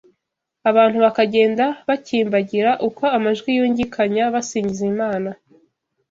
abantu bakagenda bakimbagira uko amajwi yungikanyaga basingiza Imana